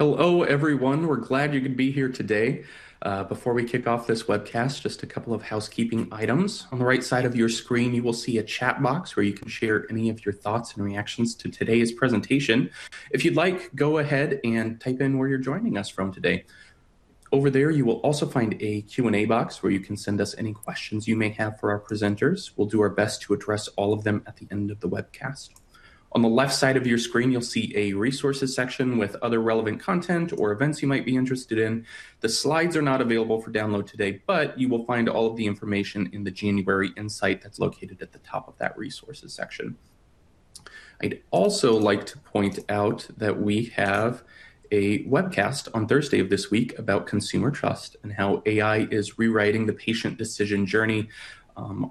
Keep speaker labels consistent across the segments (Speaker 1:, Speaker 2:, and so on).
Speaker 1: Hello, everyone. We're glad you can be here today. Before we kick off this webcast, just a couple of housekeeping items. On the right side of your screen, you will see a chat box where you can share any of your thoughts and reactions to today's presentation. If you'd like, go ahead and type in where you're joining us from today. Over there, you will also find a Q&A box where you can send us any questions you may have for our presenters. We'll do our best to address all of them at the end of the webcast. On the left side of your screen, you'll see a resources section with other relevant content or events you might be interested in. The slides are not available for download today, but you will find all of the information in the January Insight that's located at the top of that resources section. I'd also like to point out that we have a webcast on Thursday of this week about consumer trust and how AI is rewriting the patient decision journey.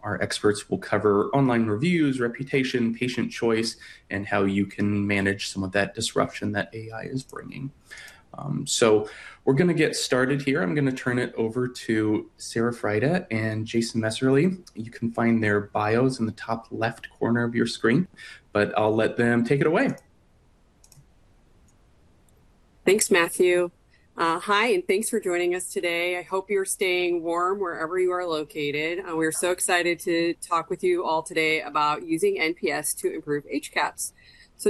Speaker 1: Our experts will cover online reviews, reputation, patient choice, and how you can manage some of that disruption that AI is bringing. We're going to get started here. I'm going to turn it over to Sarah Fryda and Jason Messerli. You can find their bios in the top left corner of your screen, but I'll let them take it away.
Speaker 2: Thanks, Matthew. Hi, and thanks for joining us today. I hope you're staying warm wherever you are located. We are so excited to talk with you all today about using NPS to improve HCAHPS.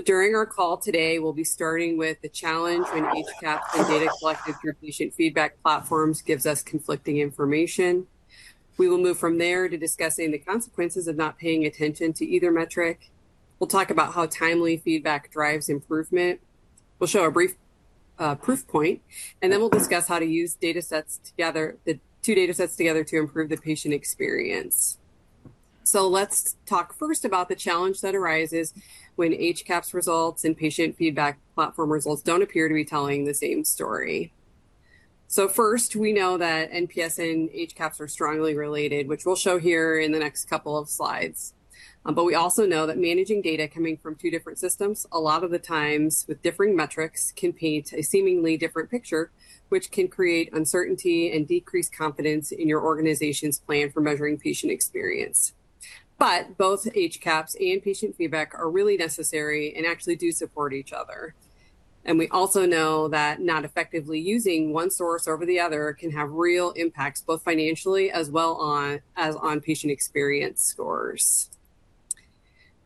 Speaker 2: During our call today, we'll be starting with the challenge when HCAHPS and data collected through patient feedback platforms gives us conflicting information. We will move from there to discussing the consequences of not paying attention to either metric. We'll talk about how timely feedback drives improvement. We'll show a brief proof point, and then we'll discuss how to use data sets together, the two data sets together, to improve the patient experience. Let's talk first about the challenge that arises when HCAHPS results and patient feedback platform results don't appear to be telling the same story. So first, we know that NPS and HCAHPS are strongly related, which we'll show here in the next couple of slides. But we also know that managing data coming from two different systems, a lot of the times with differing metrics, can paint a seemingly different picture, which can create uncertainty and decrease confidence in your organization's plan for measuring patient experience. But both HCAHPS and patient feedback are really necessary and actually do support each other. And we also know that not effectively using one source over the other can have real impacts both financially as well as on patient experience scores.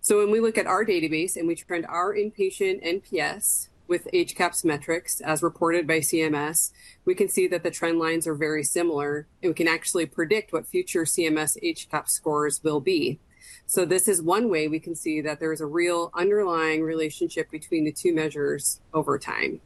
Speaker 2: So when we look at our database and we trend our inpatient NPS with HCAHPS metrics as reported by CMS, we can see that the trend lines are very similar, and we can actually predict what future CMS HCAHPS scores will be. So this is one way we can see that there is a real underlying relationship between the two measures over time.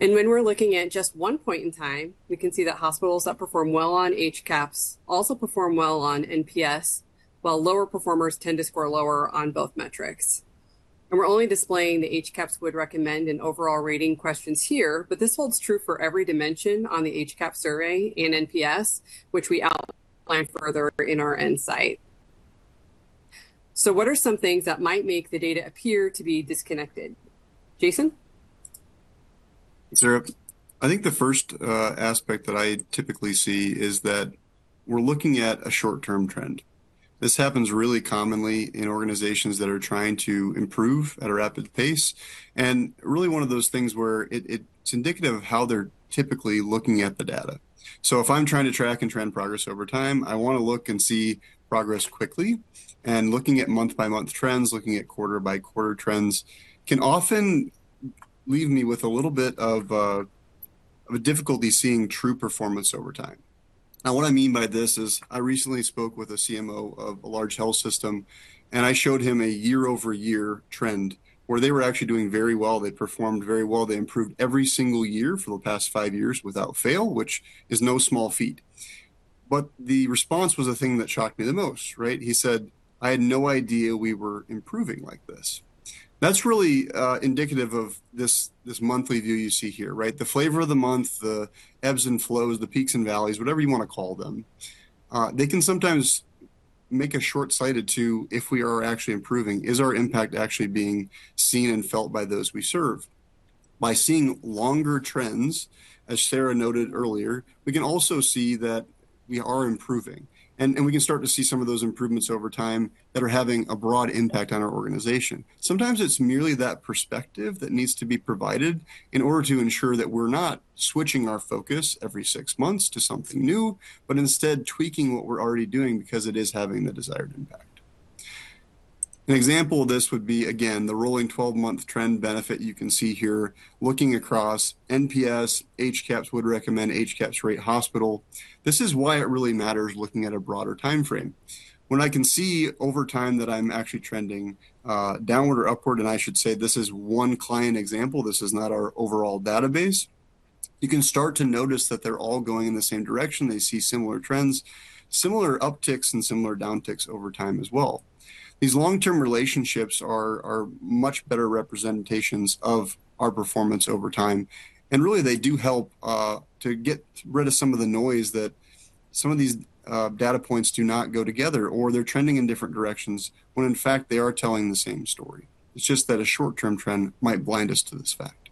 Speaker 2: And when we're looking at just one point in time, we can see that hospitals that perform well on HCAHPS also perform well on NPS, while lower performers tend to score lower on both metrics. And we're only displaying the HCAHPS 'would recommend' and overall rating questions here, but this holds true for every dimension on the HCAHPS survey and NPS, which we outline further in our insight. So what are some things that might make the data appear to be disconnected? Jason?
Speaker 3: Thanks, Sarah. I think the first aspect that I typically see is that we're looking at a short-term trend. This happens really commonly in organizations that are trying to improve at a rapid pace. Really one of those things where it's indicative of how they're typically looking at the data. If I'm trying to track and trend progress over time, I want to look and see progress quickly. Looking at month-by-month trends, looking at quarter-by-quarter trends can often leave me with a little bit of a difficulty seeing true performance over time. Now, what I mean by this is I recently spoke with a CMO of a large health system, and I showed him a year-over-year trend where they were actually doing very well. They performed very well. They improved every single year for the past five years without fail, which is no small feat. But the response was the thing that shocked me the most, right? He said, "I had no idea we were improving like this." That's really indicative of this monthly view you see here, right? The flavor of the month, the ebbs and flows, the peaks and valleys, whatever you want to call them, they can sometimes make us short-sighted to if we are actually improving. Is our impact actually being seen and felt by those we serve? By seeing longer trends, as Sarah noted earlier, we can also see that we are improving. And we can start to see some of those improvements over time that are having a broad impact on our organization. Sometimes it's merely that perspective that needs to be provided in order to ensure that we're not switching our focus every six months to something new, but instead tweaking what we're already doing because it is having the desired impact. An example of this would be, again, the rolling 12-month trend benefit you can see here, looking across NPS, HCAHPS Would Recommend, HCAHPS Rate Hospital. This is why it really matters looking at a broader time frame. When I can see over time that I'm actually trending downward or upward, and I should say this is one client example. This is not our overall database. You can start to notice that they're all going in the same direction. They see similar trends, similar upticks, and similar downticks over time as well. These long-term relationships are much better representations of our performance over time. Really, they do help to get rid of some of the noise that some of these data points do not go together or they're trending in different directions when, in fact, they are telling the same story. It's just that a short-term trend might blind us to this fact.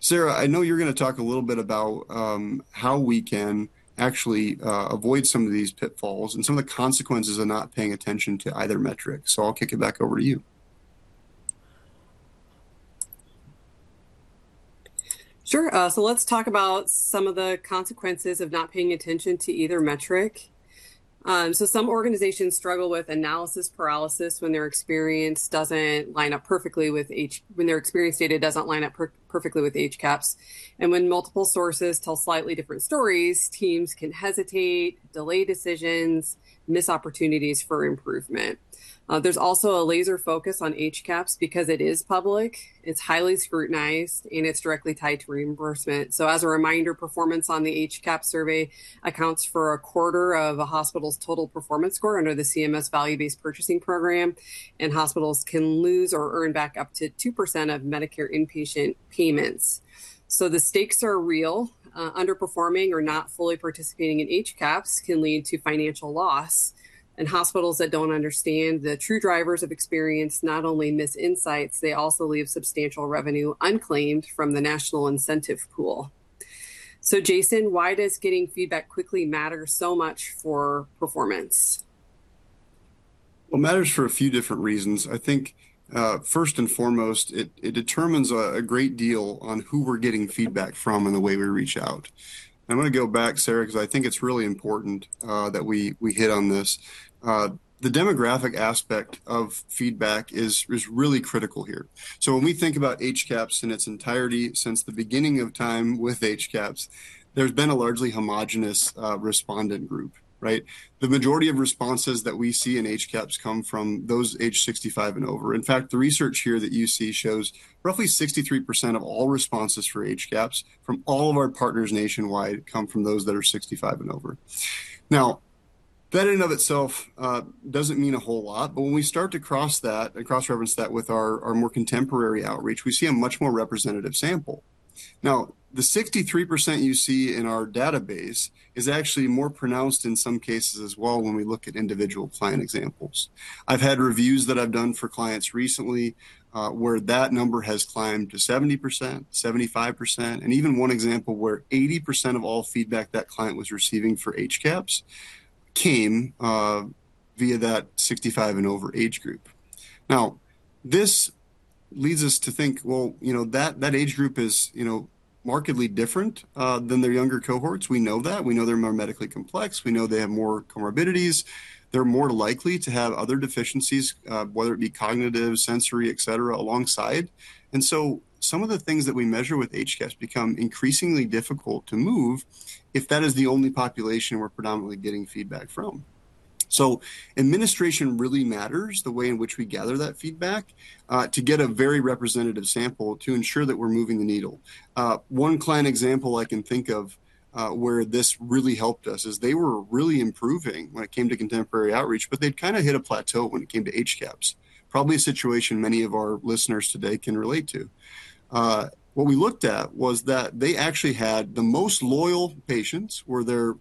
Speaker 3: Sarah, I know you're going to talk a little bit about how we can actually avoid some of these pitfalls and some of the consequences of not paying attention to either metric. I'll kick it back over to you.
Speaker 2: Sure. So let's talk about some of the consequences of not paying attention to either metric. Some organizations struggle with analysis paralysis when their experience doesn't line up perfectly with when their experience data doesn't line up perfectly with HCAHPS. When multiple sources tell slightly different stories, teams can hesitate, delay decisions, miss opportunities for improvement. There's also a laser focus on HCAHPS because it is public, it's highly scrutinized, and it's directly tied to reimbursement. So as a reminder, performance on the HCAHPS survey accounts for a quarter of a hospital's total performance score under the CMS Value-Based Purchasing Program, and hospitals can lose or earn back up to 2% of Medicare inpatient payments. The stakes are real. Underperforming or not fully participating in HCAHPS can lead to financial loss. Hospitals that don't understand the true drivers of experience not only miss insights, they also leave substantial revenue unclaimed from the national incentive pool. Jason, why does getting feedback quickly matter so much for performance?
Speaker 3: Well, it matters for a few different reasons. I think first and foremost, it determines a great deal on who we're getting feedback from and the way we reach out. I'm going to go back, Sarah, because I think it's really important that we hit on this. The demographic aspect of feedback is really critical here. When we think about HCAHPS in its entirety since the beginning of time with HCAHPS, there's been a largely homogenous respondent group, right? The majority of responses that we see in HCAHPS come from those age 65 and over. In fact, the research here that you see shows roughly 63% of all responses for HCAHPS from all of our partners nationwide come from those that are 65 and over. Now, that in and of itself doesn't mean a whole lot, but when we start to cross that and cross-reference that with our more contemporary outreach, we see a much more representative sample. Now, the 63% you see in our database is actually more pronounced in some cases as well when we look at individual client examples. I've had reviews that I've done for clients recently where that number has climbed to 70%, 75%, and even one example where 80% of all feedback that client was receiving for HCAHPS came via that 65 and over age group. Now, this leads us to think, well, that age group is markedly different than their younger cohorts. We know that. We know they're more medically complex. We know they have more comorbidities. They're more likely to have other deficiencies, whether it be cognitive, sensory, etc., alongside. And so some of the things that we measure with HCAHPS become increasingly difficult to move if that is the only population we're predominantly getting feedback from. So administration really matters, the way in which we gather that feedback, to get a very representative sample to ensure that we're moving the needle. One client example I can think of where this really helped us is they were really improving when it came to contemporary outreach, but they'd kind of hit a plateau when it came to HCAHPS, probably a situation many of our listeners today can relate to. What we looked at was that they actually had the most loyal patients were their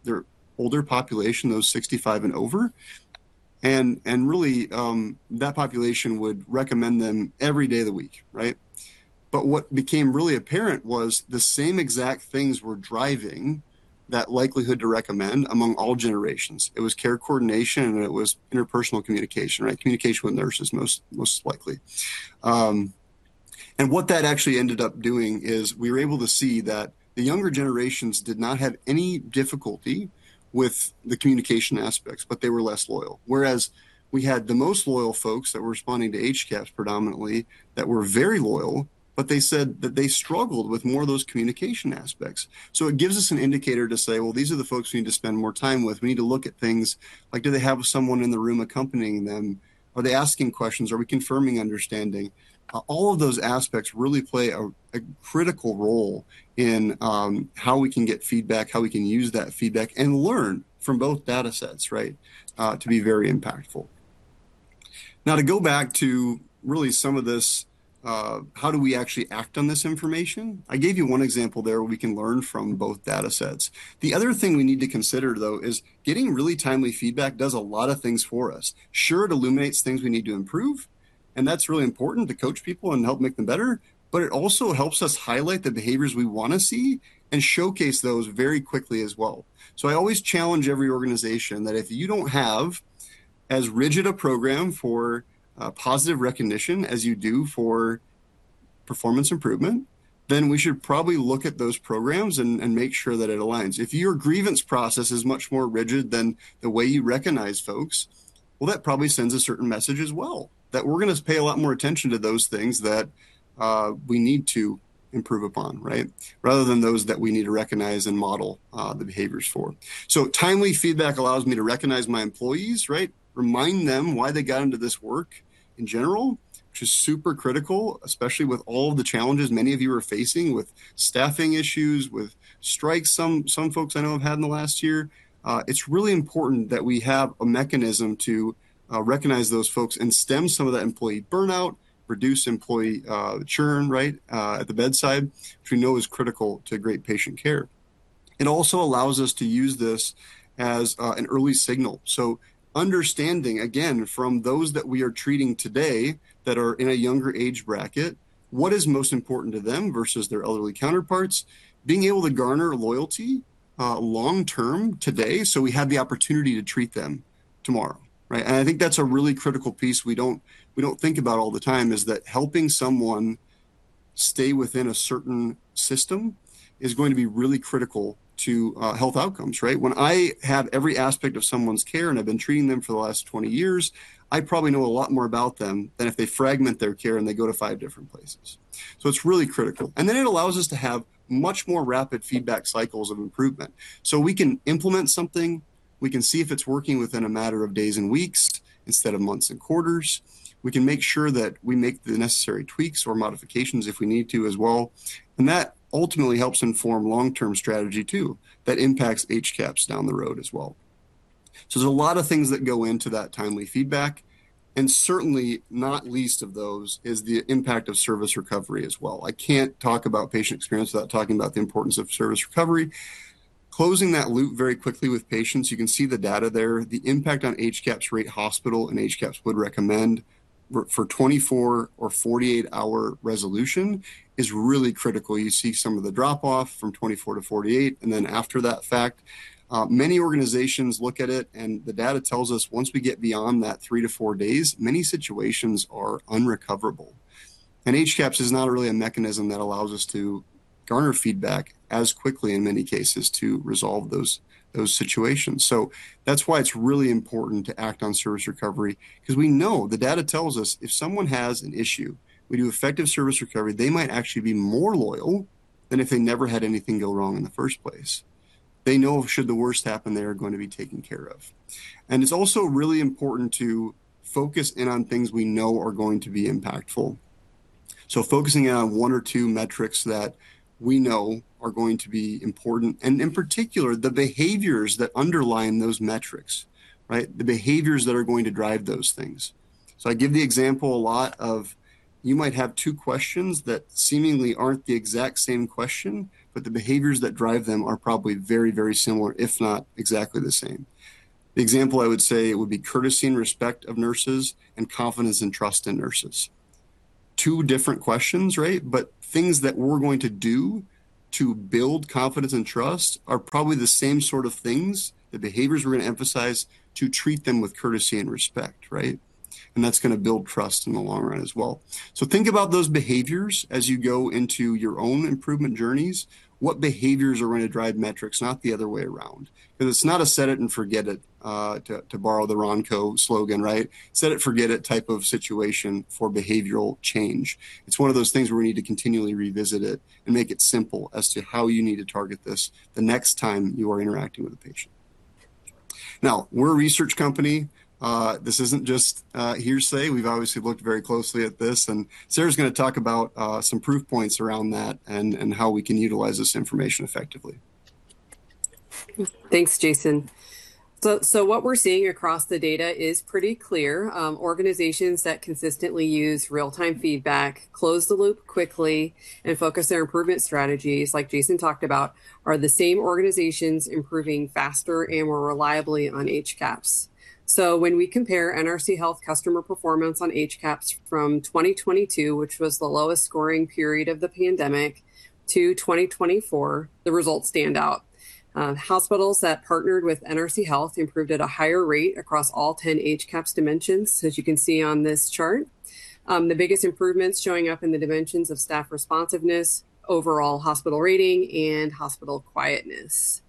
Speaker 3: older population, those 65 and over. And really, that population would recommend them every day of the week, right? But what became really apparent was the same exact things were driving that likelihood to recommend among all generations. It was care coordination, and it was interpersonal communication, right? Communication with nurses, most likely. And what that actually ended up doing is we were able to see that the younger generations did not have any difficulty with the communication aspects, but they were less loyal. Whereas we had the most loyal folks that were responding to HCAHPS predominantly that were very loyal, but they said that they struggled with more of those communication aspects. So it gives us an indicator to say, well, these are the folks we need to spend more time with. We need to look at things like, do they have someone in the room accompanying them? Are they asking questions? Are we confirming understanding? All of those aspects really play a critical role in how we can get feedback, how we can use that feedback, and learn from both data sets, right, to be very impactful. Now, to go back to really some of this, how do we actually act on this information? I gave you one example there where we can learn from both data sets. The other thing we need to consider, though, is getting really timely feedback does a lot of things for us. Sure, it illuminates things we need to improve, and that's really important to coach people and help make them better, but it also helps us highlight the behaviors we want to see and showcase those very quickly as well. So I always challenge every organization that if you don't have as rigid a program for positive recognition as you do for performance improvement, then we should probably look at those programs and make sure that it aligns. If your grievance process is much more rigid than the way you recognize folks, well, that probably sends a certain message as well that we're going to pay a lot more attention to those things that we need to improve upon, right, rather than those that we need to recognize and model the behaviors for. So timely feedback allows me to recognize my employees, right? Remind them why they got into this work in general, which is super critical, especially with all of the challenges many of you are facing with staffing issues, with strikes some folks I know have had in the last year. It's really important that we have a mechanism to recognize those folks and stem some of that employee burnout, reduce employee churn, right, at the bedside, which we know is critical to great patient care. It also allows us to use this as an early signal. So understanding, again, from those that we are treating today that are in a younger age bracket, what is most important to them versus their elderly counterparts, being able to garner loyalty long-term today so we have the opportunity to treat them tomorrow, right? And I think that's a really critical piece we don't think about all the time is that helping someone stay within a certain system is going to be really critical to health outcomes, right? When I have every aspect of someone's care and I've been treating them for the last 20 years, I probably know a lot more about them than if they fragment their care and they go to 5 different places. So it's really critical. And then it allows us to have much more rapid feedback cycles of improvement. So we can implement something. We can see if it's working within a matter of days and weeks instead of months and quarters. We can make sure that we make the necessary tweaks or modifications if we need to as well. And that ultimately helps inform long-term strategy too that impacts HCAHPS down the road as well. So there's a lot of things that go into that timely feedback. And certainly, not least of those is the impact of service recovery as well. I can't talk about patient experience without talking about the importance of service recovery. Closing that loop very quickly with patients, you can see the data there. The impact on HCAHPS rate hospital and HCAHPS would recommend for 24- or 48-hour resolution is really critical. You see some of the drop-off from 24-48. Then after the fact, many organizations look at it, and the data tells us once we get beyond that 3-4 days, many situations are unrecoverable. HCAHPS is not really a mechanism that allows us to garner feedback as quickly in many cases to resolve those situations. So that's why it's really important to act on service recovery because we know the data tells us if someone has an issue, we do effective service recovery, they might actually be more loyal than if they never had anything go wrong in the first place. They know should the worst happen, they are going to be taken care of. And it's also really important to focus in on things we know are going to be impactful. So focusing in on one or two metrics that we know are going to be important, and in particular, the behaviors that underlie those metrics, right? The behaviors that are going to drive those things. So I give the example a lot of you might have two questions that seemingly aren't the exact same question, but the behaviors that drive them are probably very, very similar, if not exactly the same. The example I would say would be courtesy and respect of nurses and confidence and trust in nurses. Two different questions, right? But things that we're going to do to build confidence and trust are probably the same sort of things, the behaviors we're going to emphasize to treat them with courtesy and respect, right? And that's going to build trust in the long run as well. So think about those behaviors as you go into your own improvement journeys. What behaviors are going to drive metrics, not the other way around? Because it's not a set it and forget it, to borrow the Ronco slogan, right? Set it, forget it type of situation for behavioral change. It's one of those things where we need to continually revisit it and make it simple as to how you need to target this the next time you are interacting with a patient. Now, we're a research company. This isn't just hearsay. We've obviously looked very closely at this. And Sarah's going to talk about some proof points around that and how we can utilize this information effectively.
Speaker 2: Thanks, Jason. So what we're seeing across the data is pretty clear. Organizations that consistently use real-time feedback, close the loop quickly, and focus their improvement strategies, like Jason talked about, are the same organizations improving faster and more reliably on HCAHPS. So when we compare NRC Health customer performance on HCAHPS from 2022, which was the lowest scoring period of the pandemic, to 2024, the results stand out. Hospitals that partnered with NRC Health improved at a higher rate across all 10 HCAHPS dimensions, as you can see on this chart. The biggest improvements showing up in the dimensions of Staff Responsiveness, Overall Hospital Rating, and Hospital Quietness.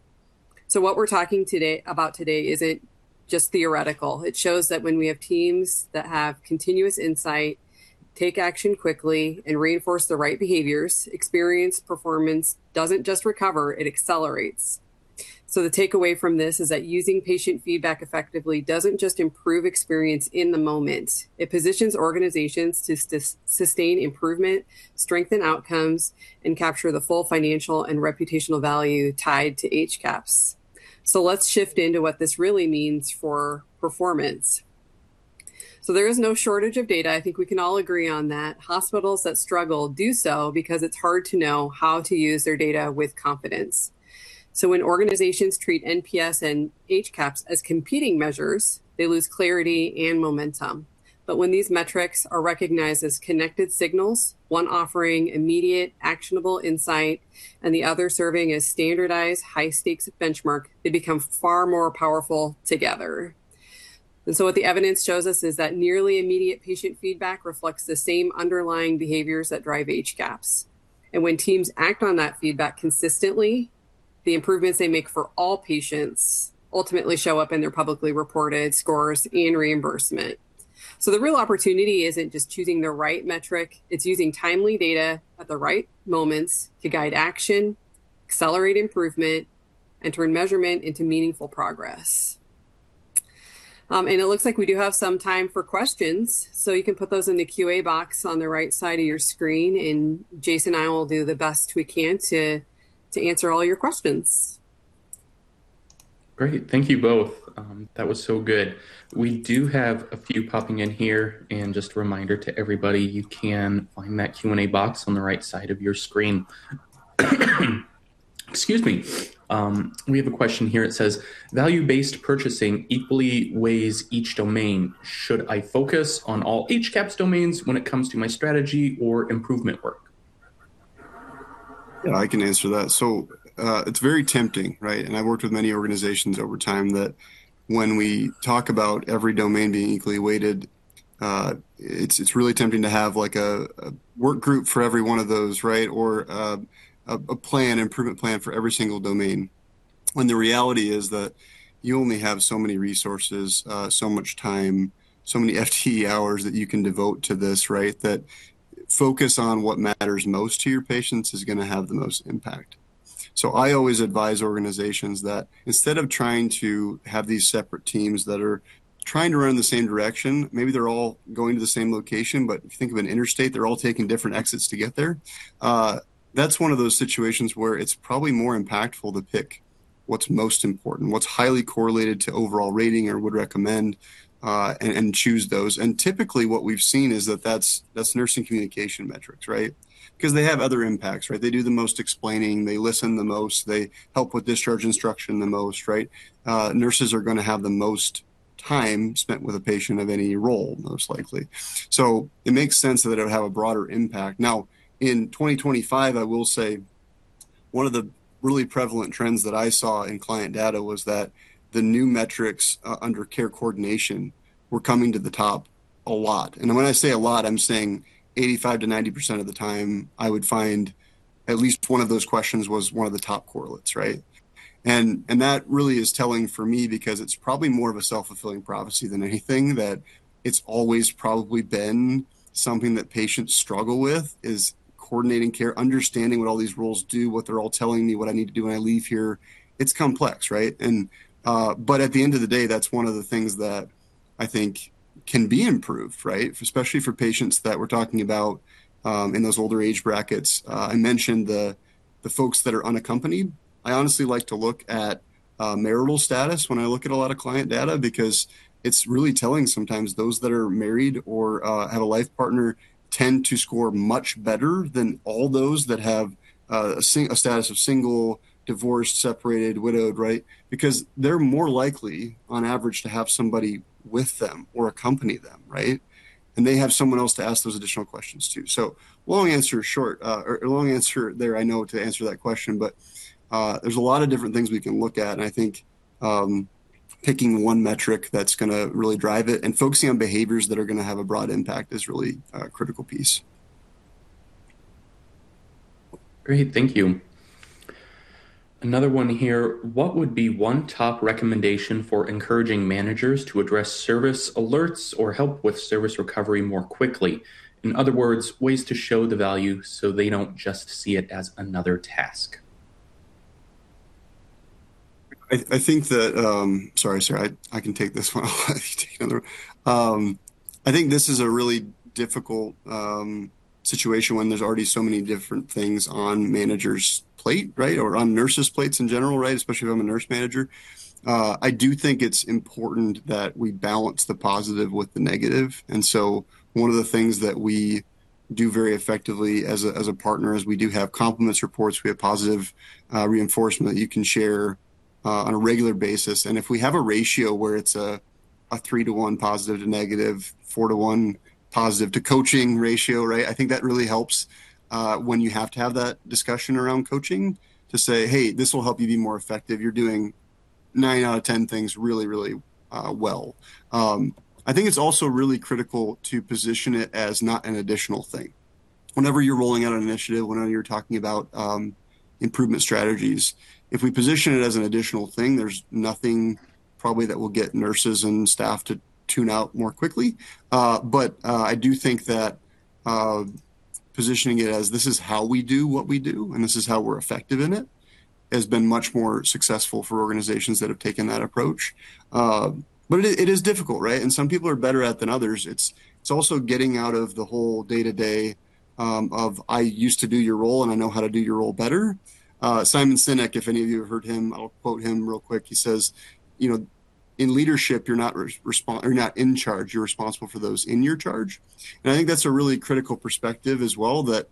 Speaker 2: So what we're talking about today isn't just theoretical. It shows that when we have teams that have continuous insight, take action quickly, and reinforce the right behaviors, experience performance doesn't just recover. It accelerates. The takeaway from this is that using patient feedback effectively doesn't just improve experience in the moment. It positions organizations to sustain improvement, strengthen outcomes, and capture the full financial and reputational value tied to HCAHPS. Let's shift into what this really means for performance. There is no shortage of data. I think we can all agree on that. Hospitals that struggle do so because it's hard to know how to use their data with confidence. When organizations treat NPS and HCAHPS as competing measures, they lose clarity and momentum. But when these metrics are recognized as connected signals, one offering immediate, actionable insight and the other serving as standardized high-stakes benchmark, they become far more powerful together. What the evidence shows us is that nearly immediate patient feedback reflects the same underlying behaviors that drive HCAHPS. When teams act on that feedback consistently, the improvements they make for all patients ultimately show up in their publicly reported scores and reimbursement. So the real opportunity isn't just choosing the right metric. It's using timely data at the right moments to guide action, accelerate improvement, and turn measurement into meaningful progress. It looks like we do have some time for questions. So you can put those in the Q&A box on the right side of your screen, and Jason and I will do the best we can to answer all your questions.
Speaker 1: Great. Thank you both. That was so good. We do have a few popping in here. Just a reminder to everybody, you can find that Q&A box on the right side of your screen. Excuse me. We have a question here. It says, "Value-based purchasing equally weighs each domain. Should I focus on all HCAHPS domains when it comes to my strategy or improvement work?
Speaker 3: Yeah, I can answer that. So it's very tempting, right? And I've worked with many organizations over time that when we talk about every domain being equally weighted, it's really tempting to have a work group for every one of those, right? Or a plan, improvement plan for every single domain. And the reality is that you only have so many resources, so much time, so many FTE hours that you can devote to this, right? That focus on what matters most to your patients is going to have the most impact. So I always advise organizations that instead of trying to have these separate teams that are trying to run in the same direction, maybe they're all going to the same location, but if you think of an interstate, they're all taking different exits to get there. That's one of those situations where it's probably more impactful to pick what's most important, what's highly correlated to overall rating or would recommend, and choose those. Typically, what we've seen is that that's nursing communication metrics, right? Because they have other impacts, right? They do the most explaining. They listen the most. They help with discharge instruction the most, right? Nurses are going to have the most time spent with a patient of any role, most likely. It makes sense that it would have a broader impact. Now, in 2025, I will say one of the really prevalent trends that I saw in client data was that the new metrics under care coordination were coming to the top a lot. When I say a lot, I'm saying 85%-90% of the time, I would find at least one of those questions was one of the top correlates, right? That really is telling for me because it's probably more of a self-fulfilling prophecy than anything that it's always probably been something that patients struggle with is coordinating care, understanding what all these rules do, what they're all telling me, what I need to do when I leave here. It's complex, right? At the end of the day, that's one of the things that I think can be improved, right? Especially for patients that we're talking about in those older age brackets. I mentioned the folks that are unaccompanied. I honestly like to look at marital status when I look at a lot of client data because it's really telling sometimes those that are married or have a life partner tend to score much better than all those that have a status of single, divorced, separated, widowed, right? Because they're more likely, on average, to have somebody with them or accompany them, right? And they have someone else to ask those additional questions too. So long answer short, or long answer there, I know to answer that question, but there's a lot of different things we can look at. And I think picking one metric that's going to really drive it and focusing on behaviors that are going to have a broad impact is really a critical piece.
Speaker 1: Great. Thank you. Another one here. What would be one top recommendation for encouraging managers to address service alerts or help with service recovery more quickly? In other words, ways to show the value so they don't just see it as another task.
Speaker 3: I think that, sorry, sorry, I can take this one. I'll take another one. I think this is a really difficult situation when there's already so many different things on managers' plate, right? Or on nurses' plates in general, right? Especially if I'm a nurse manager. I do think it's important that we balance the positive with the negative. And so one of the things that we do very effectively as a partner is we do have compliments reports. We have positive reinforcement that you can share on a regular basis. And if we have a ratio where it's a 3:1 positive to negative, 4:1 positive to coaching ratio, right? I think that really helps when you have to have that discussion around coaching to say, "Hey, this will help you be more effective. You're doing nine out of ten things really, really well." I think it's also really critical to position it as not an additional thing. Whenever you're rolling out an initiative, whenever you're talking about improvement strategies, if we position it as an additional thing, there's nothing probably that will get nurses and staff to tune out more quickly. But I do think that positioning it as, "This is how we do what we do, and this is how we're effective in it," has been much more successful for organizations that have taken that approach. But it is difficult, right? And some people are better at it than others. It's also getting out of the whole day-to-day of, "I used to do your role, and I know how to do your role better." Simon Sinek, if any of you have heard him, I'll quote him real quick. He says, "In leadership, you're not in charge. You're responsible for those in your charge." And I think that's a really critical perspective as well that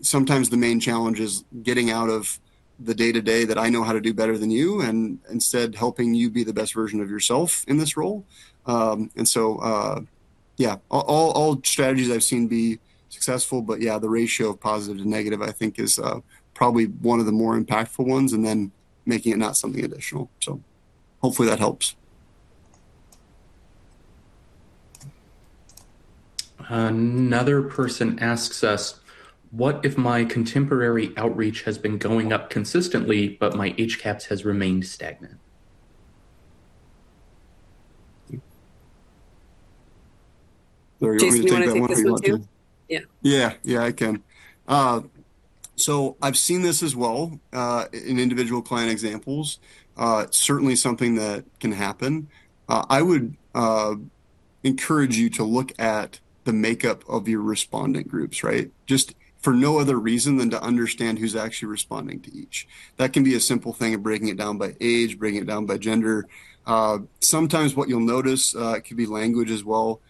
Speaker 3: sometimes the main challenge is getting out of the day-to-day that I know how to do better than you and instead helping you be the best version of yourself in this role. And so, yeah, all strategies I've seen be successful, but yeah, the ratio of positive to negative, I think, is probably one of the more impactful ones, and then making it not something additional. So hopefully that helps.
Speaker 1: Another person asks us, "What if my contemporary outreach has been going up consistently, but my HCAHPS has remained stagnant?
Speaker 3: Larry, are we recording that one question too?
Speaker 2: Yeah.
Speaker 3: Yeah, yeah, I can. So I've seen this as well in individual client examples. Certainly something that can happen. I would encourage you to look at the makeup of your respondent groups, right? Just for no other reason than to understand who's actually responding to each. That can be a simple thing of breaking it down by age, breaking it down by gender. Sometimes what you'll notice, it could be language as well,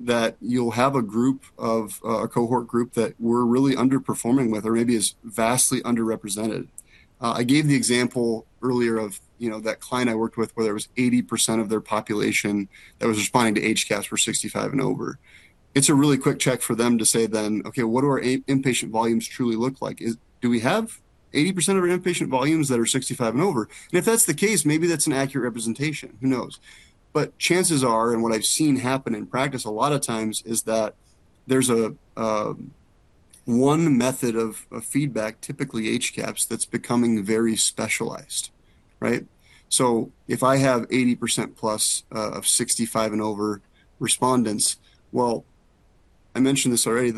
Speaker 3: that you'll have a group, a cohort group that we're really underperforming with or maybe is vastly underrepresented. I gave the example earlier of that client I worked with where there was 80% of their population that was responding to HCAHPS for 65 and over. It's a really quick check for them to say then, "Okay, what do our inpatient volumes truly look like? Do we have 80% of our inpatient volumes that are 65 and over?" If that's the case, maybe that's an accurate representation. Who knows? Chances are, and what I've seen happen in practice a lot of times is that there's one method of feedback, typically HCAHPS, that's becoming very specialized, right? So if I have 80%+ of 65 and over respondents, well, I mentioned this already,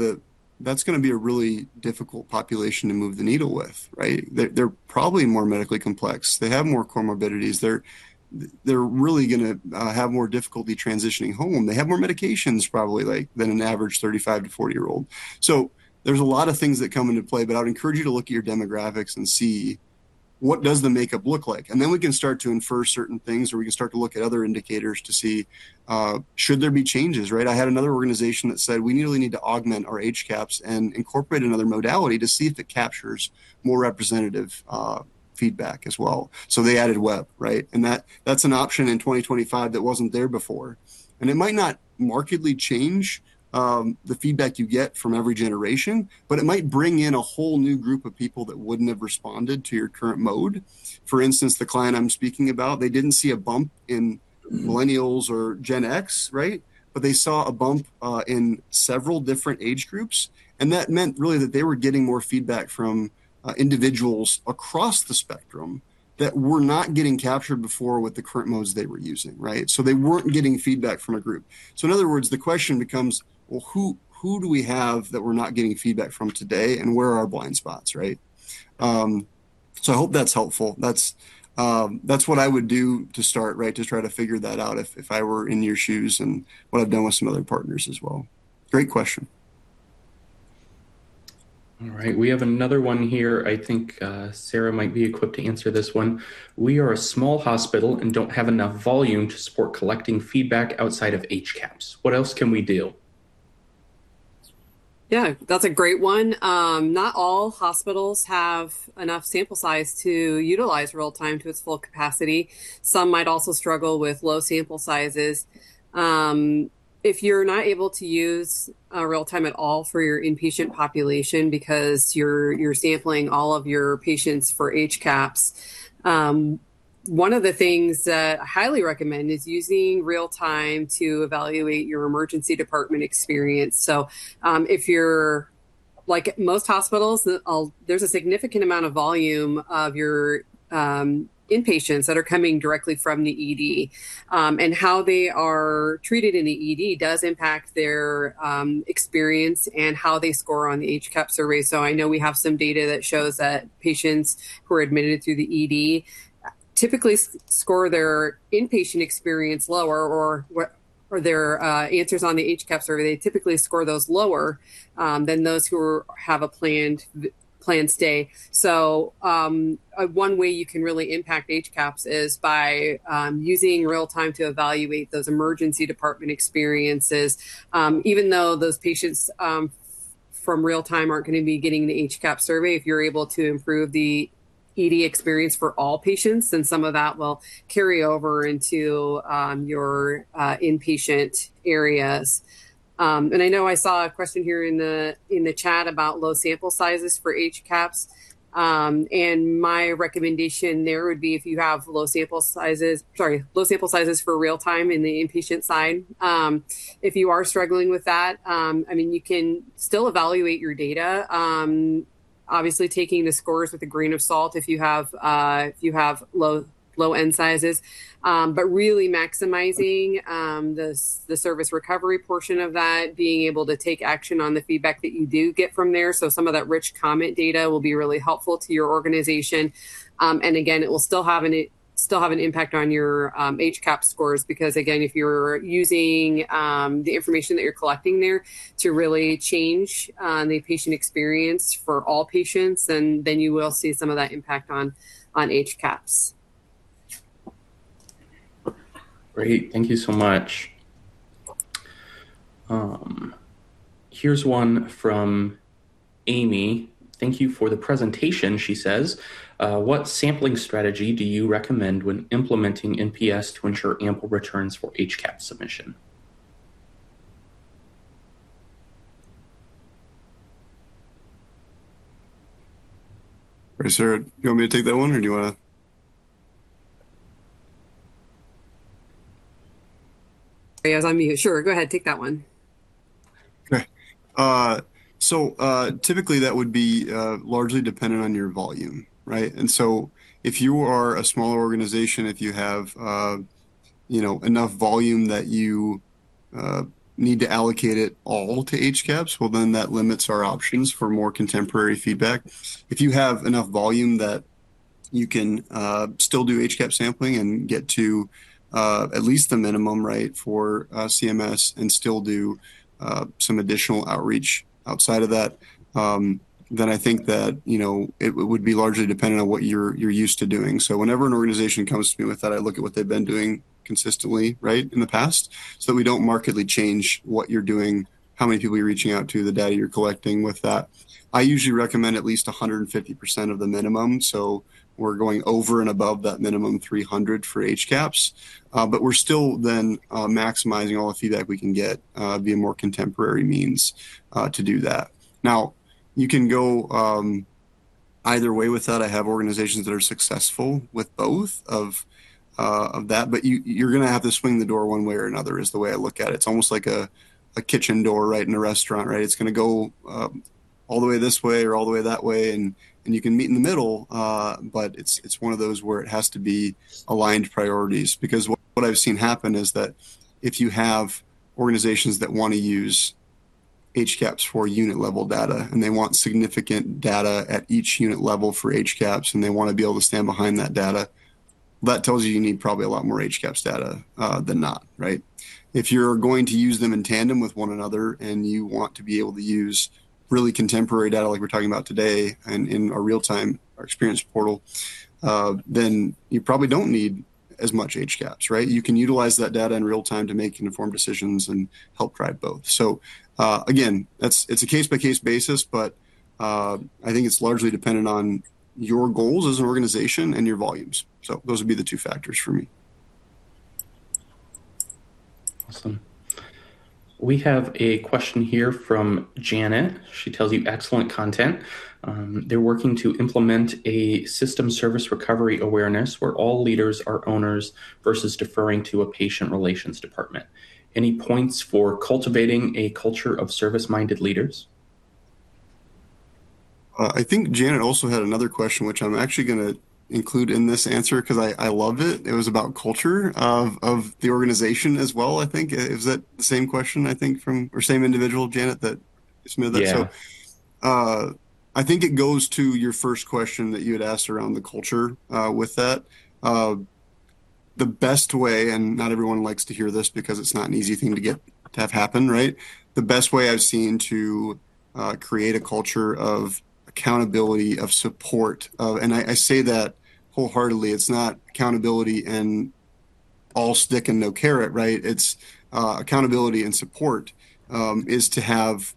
Speaker 3: that's going to be a really difficult population to move the needle with, right? They're probably more medically complex. They have more comorbidities. They're really going to have more difficulty transitioning home. They have more medications probably than an average 35-40-year-old. So there's a lot of things that come into play, but I would encourage you to look at your demographics and see what does the makeup look like. And then we can start to infer certain things or we can start to look at other indicators to see should there be changes, right? I had another organization that said we really need to augment our HCAHPS and incorporate another modality to see if it captures more representative feedback as well. So they added Web, right? And that's an option in 2025 that wasn't there before. And it might not markedly change the feedback you get from every generation, but it might bring in a whole new group of people that wouldn't have responded to your current mode. For instance, the client I'm speaking about, they didn't see a bump in Millennials or Gen X, right? But they saw a bump in several different age groups. That meant really that they were getting more feedback from individuals across the spectrum that were not getting captured before with the current modes they were using, right? They weren't getting feedback from a group. In other words, the question becomes, "Well, who do we have that we're not getting feedback from today? And where are our blind spots, right?" I hope that's helpful. That's what I would do to start, right? To try to figure that out if I were in your shoes and what I've done with some other partners as well. Great question.
Speaker 1: All right. We have another one here. I think Sarah might be equipped to answer this one. "We are a small hospital and don't have enough volume to support collecting feedback outside of HCAHPS. What else can we do?
Speaker 2: Yeah, that's a great one. Not all hospitals have enough sample size to utilize real-time to its full capacity. Some might also struggle with low sample sizes. If you're not able to use real-time at all for your inpatient population because you're sampling all of your patients for HCAHPS, one of the things that I highly recommend is using real-time to evaluate your emergency department experience. So if you're like most hospitals, there's a significant amount of volume of your inpatients that are coming directly from the ED. And how they are treated in the ED does impact their experience and how they score on the HCAHPS survey. So I know we have some data that shows that patients who are admitted through the ED typically score their inpatient experience lower or their answers on the HCAHPS survey. They typically score those lower than those who have a planned stay. So one way you can really impact HCAHPS is by using real-time to evaluate those emergency department experiences. Even though those patients from real-time aren't going to be getting the HCAHPS survey, if you're able to improve the ED experience for all patients, then some of that will carry over into your inpatient areas. I know I saw a question here in the chat about low sample sizes for HCAHPS. My recommendation there would be if you have low sample sizes, sorry, low sample sizes for real-time in the inpatient side. If you are struggling with that, I mean, you can still evaluate your data. Obviously, taking the scores with a grain of salt if you have low n sizes, but really maximizing the service recovery portion of that, being able to take action on the feedback that you do get from there. So some of that rich comment data will be really helpful to your organization. And again, it will still have an impact on your HCAHPS scores because, again, if you're using the information that you're collecting there to really change the patient experience for all patients, then you will see some of that impact on HCAHPS.
Speaker 1: Great. Thank you so much. Here's one from Amy. "Thank you for the presentation," she says. "What sampling strategy do you recommend when implementing NPS to ensure ample returns for HCAHPS submission?
Speaker 3: All right, Sarah, do you want me to take that one or do you want to?
Speaker 2: As I'm here. Sure. Go ahead. Take that one.
Speaker 3: Okay. So typically, that would be largely dependent on your volume, right? And so if you are a smaller organization, if you have enough volume that you need to allocate it all to HCAHPS, well, then that limits our options for more contemporary feedback. If you have enough volume that you can still do HCAHPS sampling and get to at least the minimum, right, for CMS and still do some additional outreach outside of that, then I think that it would be largely dependent on what you're used to doing. So whenever an organization comes to me with that, I look at what they've been doing consistently, right, in the past. So we don't markedly change what you're doing, how many people you're reaching out to, the data you're collecting with that. I usually recommend at least 150% of the minimum. So we're going over and above that minimum 300 for HCAHPS. But we're still then maximizing all the feedback we can get via more contemporary means to do that. Now, you can go either way with that. I have organizations that are successful with both of that, but you're going to have to swing the door one way or another is the way I look at it. It's almost like a kitchen door right in a restaurant, right? It's going to go all the way this way or all the way that way. And you can meet in the middle, but it's one of those where it has to be aligned priorities. Because what I've seen happen is that if you have organizations that want to use HCAHPS for unit-level data and they want significant data at each unit level for HCAHPS and they want to be able to stand behind that data, that tells you you need probably a lot more HCAHPS data than not, right? If you're going to use them in tandem with one another and you want to be able to use really contemporary data like we're talking about today in a real-time experience portal, then you probably don't need as much HCAHPS, right? You can utilize that data in real-time to make informed decisions and help drive both. So again, it's a case-by-case basis, but I think it's largely dependent on your goals as an organization and your volumes. So those would be the two factors for me.
Speaker 1: Awesome. We have a question here from Janet. She tells you excellent content. "They're working to implement a system service recovery awareness where all leaders are owners versus deferring to a patient relations department. Any points for cultivating a culture of service-minded leaders?
Speaker 3: I think Janet also had another question, which I'm actually going to include in this answer because I love it. It was about culture of the organization as well, I think. Is that the same question, I think, from or same individual, Janet, that you submitted that?
Speaker 1: Yeah.
Speaker 3: So I think it goes to your first question that you had asked around the culture with that. The best way, and not everyone likes to hear this because it's not an easy thing to have happen, right? The best way I've seen to create a culture of accountability, of support, and I say that wholeheartedly, it's not accountability and all stick and no carrot, right? It's accountability and support is to have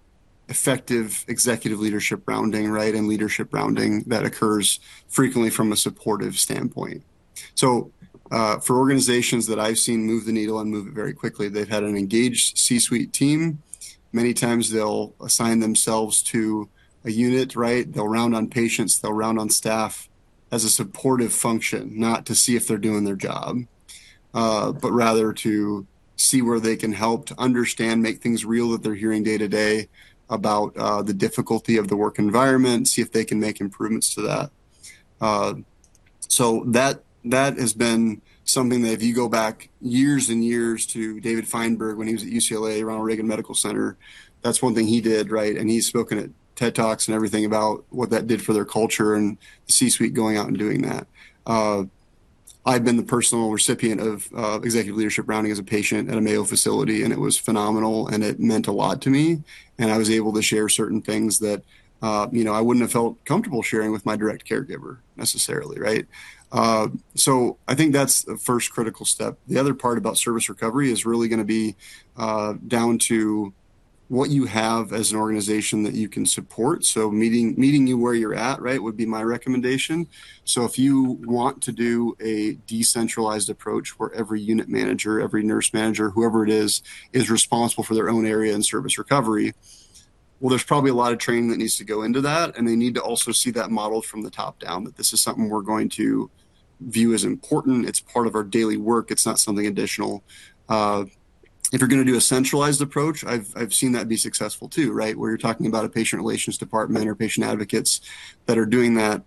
Speaker 3: effective executive leadership rounding, right, and leadership rounding that occurs frequently from a supportive standpoint. So for organizations that I've seen move the needle and move it very quickly, they've had an engaged C-suite team. Many times they'll assign themselves to a unit, right? They'll round on patients. They'll round on staff as a supportive function, not to see if they're doing their job, but rather to see where they can help to understand, make things real that they're hearing day to day about the difficulty of the work environment, see if they can make improvements to that. So that has been something that if you go back years and years to David Feinberg when he was at Ronald Reagan UCLA Medical Center, that's one thing he did, right? He's spoken at TED Talks and everything about what that did for their culture and the C-suite going out and doing that. I've been the personal recipient of executive leadership rounding as a patient at a Mayo facility, and it was phenomenal, and it meant a lot to me. I was able to share certain things that I wouldn't have felt comfortable sharing with my direct caregiver necessarily, right? I think that's the first critical step. The other part about service recovery is really going to be down to what you have as an organization that you can support. Meeting you where you're at, right, would be my recommendation. If you want to do a decentralized approach where every unit manager, every nurse manager, whoever it is, is responsible for their own area and service recovery, well, there's probably a lot of training that needs to go into that. They need to also see that modeled from the top down that this is something we're going to view as important. It's part of our daily work. It's not something additional. If you're going to do a centralized approach, I've seen that be successful too, right? Where you're talking about a patient relations department or patient advocates that are doing that.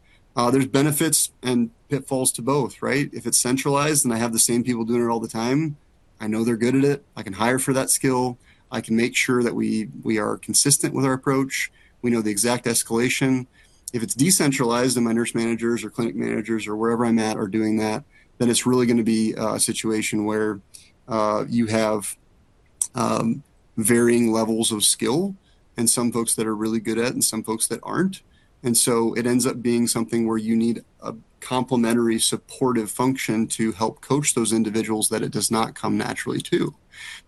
Speaker 3: There's benefits and pitfalls to both, right? If it's centralized, then I have the same people doing it all the time. I know they're good at it. I can hire for that skill. I can make sure that we are consistent with our approach. We know the exact escalation. If it's decentralized and my nurse managers or clinic managers or wherever I'm at are doing that, then it's really going to be a situation where you have varying levels of skill and some folks that are really good at it and some folks that aren't. And so it ends up being something where you need a complementary supportive function to help coach those individuals that it does not come naturally to.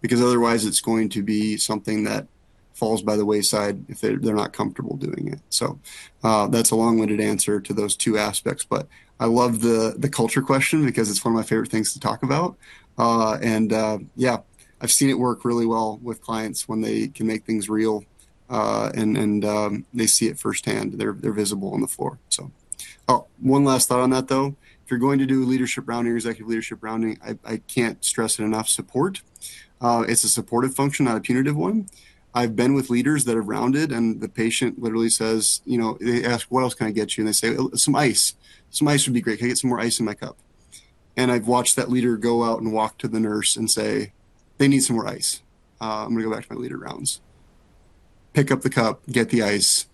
Speaker 3: Because otherwise, it's going to be something that falls by the wayside if they're not comfortable doing it. So that's a long-winded answer to those two aspects. But I love the culture question because it's one of my favorite things to talk about. And yeah, I've seen it work really well with clients when they can make things real and they see it firsthand. They're visible on the floor, so. One last thought on that, though. If you're going to do a leadership rounding, executive leadership rounding, I can't stress it enough. Support. It's a supportive function, not a punitive one. I've been with leaders that have rounded, and the patient literally says. They ask, "What else can I get you?" And they say, "Some ice. Some ice would be great. Can I get some more ice in my cup?" And I've watched that leader go out and walk to the nurse and say, "They need some more ice. I'm going to go back to my leader rounds." Pick up the cup, get the ice.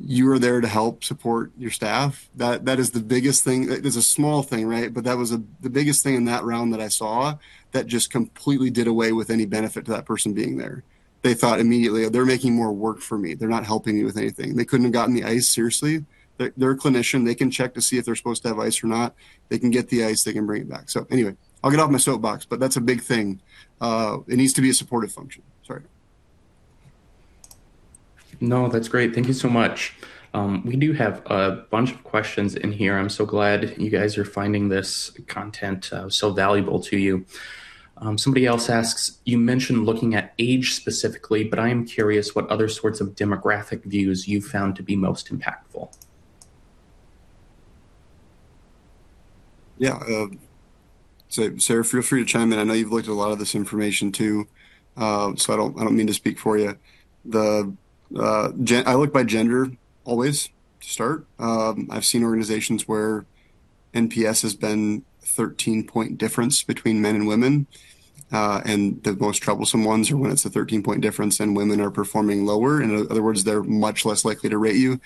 Speaker 3: You are there to help support your staff. That is the biggest thing. It's a small thing, right? But that was the biggest thing in that round that I saw that just completely did away with any benefit to that person being there. They thought immediately, "They're making more work for me. They're not helping me with anything." They couldn't have gotten the ice, seriously. They're a clinician. They can check to see if they're supposed to have ice or not. They can get the ice. They can bring it back. So anyway, I'll get off my soapbox, but that's a big thing. It needs to be a supportive function. Sorry.
Speaker 1: No, that's great. Thank you so much. We do have a bunch of questions in here. I'm so glad you guys are finding this content so valuable to you. Somebody else asks, "You mentioned looking at age specifically, but I am curious what other sorts of demographic views you've found to be most impactful.
Speaker 3: Yeah. Sarah, feel free to chime in. I know you've looked at a lot of this information too, so I don't mean to speak for you. I look by gender always to start. I've seen organizations where NPS has been a 13-point difference between men and women. And the most troublesome ones are when it's a 13-point difference and women are performing lower. In other words, they're much less likely to rate you.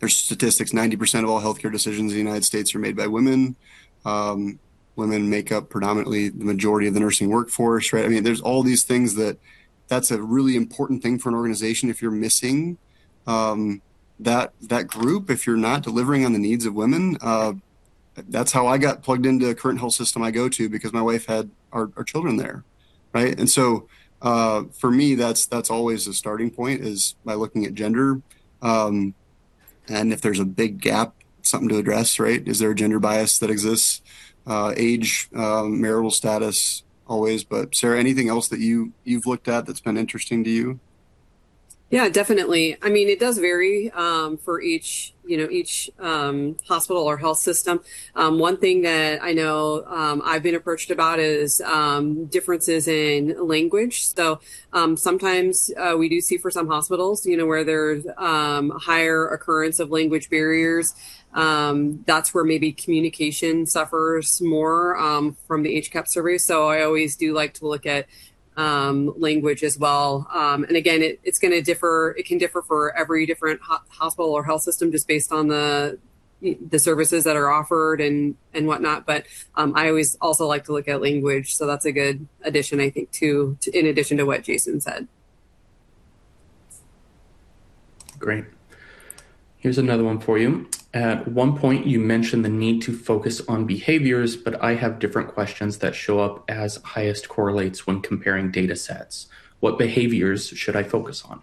Speaker 3: There's statistics. 90% of all healthcare decisions in the United States are made by women. Women make up predominantly the majority of the nursing workforce, right? I mean, there's all these things that that's a really important thing for an organization if you're missing that group, if you're not delivering on the needs of women. That's how I got plugged into the current health system I go to because my wife had our children there, right? And so for me, that's always a starting point is by looking at gender. And if there's a big gap, something to address, right? Is there a gender bias that exists? Age, marital status always. But Sarah, anything else that you've looked at that's been interesting to you?
Speaker 2: Yeah, definitely. I mean, it does vary for each hospital or health system. One thing that I know I've been approached about is differences in language. So sometimes we do see for some hospitals where there's a higher occurrence of language barriers. That's where maybe communication suffers more from the HCAHPS survey. So I always do like to look at language as well. And again, it's going to differ. It can differ for every different hospital or health system just based on the services that are offered and whatnot. But I always also like to look at language. So that's a good addition, I think, too, in addition to what Jason said.
Speaker 1: Great. Here's another one for you. "At one point, you mentioned the need to focus on behaviors, but I have different questions that show up as highest correlates when comparing data sets. What behaviors should I focus on?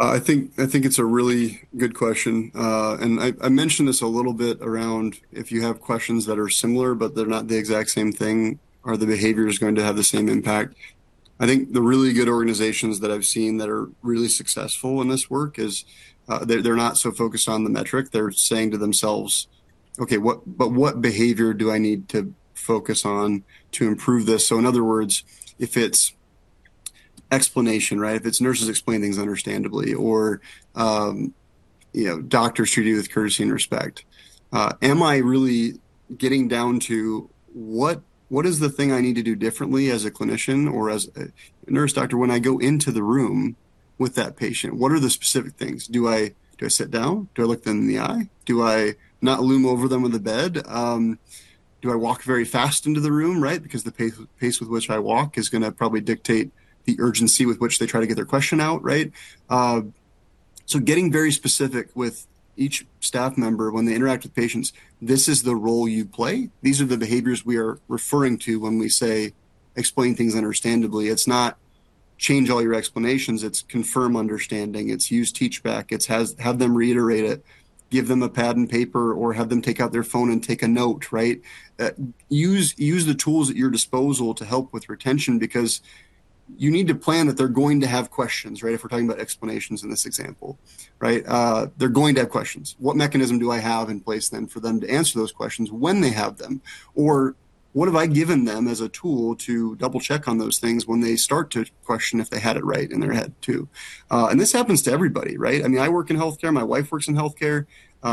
Speaker 3: I think it's a really good question. I mentioned this a little bit around if you have questions that are similar, but they're not the exact same thing, are the behaviors going to have the same impact? I think the really good organizations that I've seen that are really successful in this work is they're not so focused on the metric. They're saying to themselves, "Okay, but what behavior do I need to focus on to improve this?" So in other words, if it's explanation, right? If it's nurses explain things understandably or doctors treat you with courtesy and respect, am I really getting down to what is the thing I need to do differently as a clinician or as a nurse doctor when I go into the room with that patient? What are the specific things? Do I sit down? Do I look them in the eye? Do I not loom over them with the bed? Do I walk very fast into the room, right? Because the pace with which I walk is going to probably dictate the urgency with which they try to get their question out, right? So getting very specific with each staff member when they interact with patients, this is the role you play. These are the behaviors we are referring to when we say explain things understandably. It's not change all your explanations. It's confirm understanding. It's use teach-back. It's have them reiterate it. Give them a pad and paper or have them take out their phone and take a note, right? Use the tools at your disposal to help with retention because you need to plan that they're going to have questions, right? If we're talking about explanations in this example, right? They're going to have questions. What mechanism do I have in place then for them to answer those questions when they have them? Or what have I given them as a tool to double-check on those things when they start to question if they had it right in their head too? And this happens to everybody, right? I mean, I work in healthcare. My wife works in healthcare.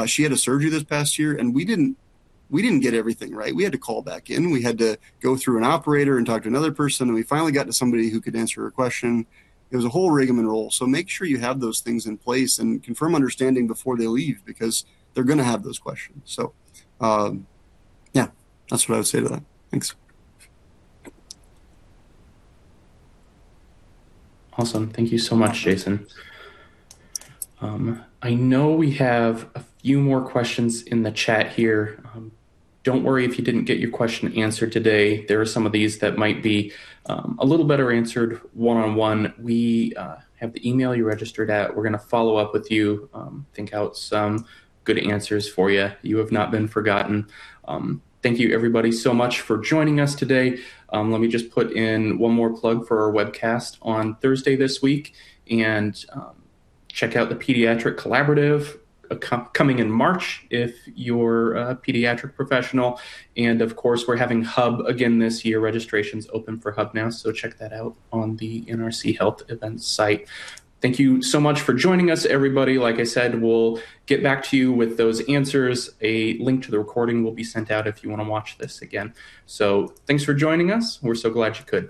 Speaker 3: She had a surgery this past year, and we didn't get everything right. We had to call back in. We had to go through an operator and talk to another person. And we finally got to somebody who could answer her question. It was a whole rigmarole. So make sure you have those things in place and confirm understanding before they leave because they're going to have those questions. So yeah, that's what I would say to that. Thanks.
Speaker 1: Awesome. Thank you so much, Jason. I know we have a few more questions in the chat here. Don't worry if you didn't get your question answered today. There are some of these that might be a little better answered one-on-one. We have the email you registered at. We're going to follow up with you, think out some good answers for you. You have not been forgotten. Thank you, everybody, so much for joining us today. Let me just put in one more plug for our webcast on Thursday this week. Check out the Pediatric Collaborative coming in March if you're a pediatric professional. Of course, we're having HUB again this year. Registration's open for HUB now. Check that out on the NRC Health events site. Thank you so much for joining us, everybody. Like I said, we'll get back to you with those answers. A link to the recording will be sent out if you want to watch this again. Thanks for joining us. We're so glad you could.